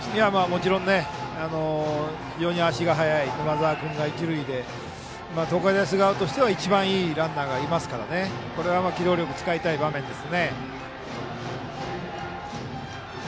もちろん、非常に足が速い沼澤君が一塁で東海大菅生としては一番いいランナーがいますからこれは機動力を使いたい場面です。